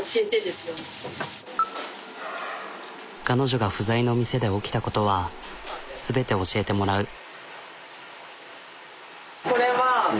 彼女が不在の店で起きたことは全て教えてもらう。